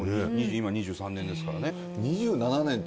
今２３年ですからね。